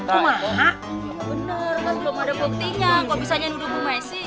cuma bener kan belum ada buktinya kok misalnya duduk bu messi